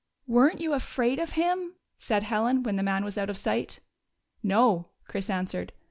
" Were n't you afraid of him ?" said Helen, when the man was out of sight. " No," Chris answered.